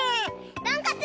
とんかつ！